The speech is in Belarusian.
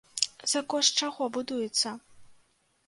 За кошт чаго будуецца?